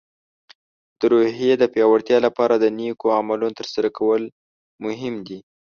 د روحیې د پیاوړتیا لپاره د نیکو عملونو ترسره کول اړین دي.